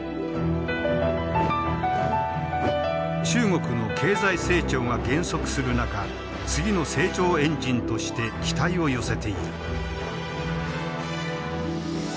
中国の経済成長が減速する中次の成長エンジンとして期待を寄せている。